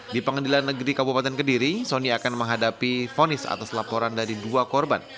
di pengadilan negeri kabupaten kediri sony akan menghadapi fonis atas laporan dari dua korban